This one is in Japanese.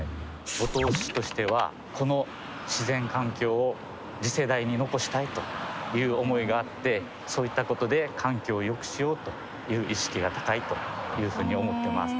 五島市としてはこの自然環境を次世代に残したいという思いがあってそういったことで環境をよくしようという意識が高いというふうに思ってます。